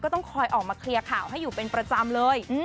ต้องคอยออกมาเคลียร์ข่าวให้อยู่เป็นประจำเลย